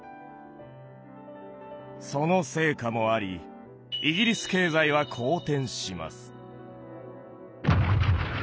その成果もありイギリス経済は好転します。